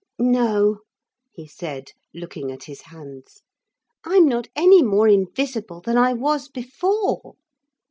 'No,' he said, looking at his hands; 'I'm not any more invisible than I was before.